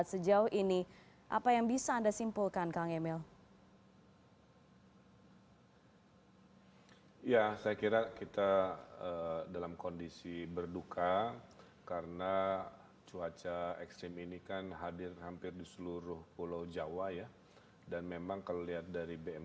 tantangan bagaimana secara engineering bisa mengatasi sampai ke level ekstrim yang mendekati empat ratus mm